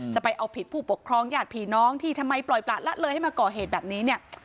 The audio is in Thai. จะเอาผิดผู้ปกครองญาติผีน้องที่ทำไมปล่อยประละเลยให้มาก่อเหตุแบบนี้เนี่ย